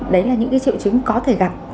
đấy là những cái triệu chứng có thể gặp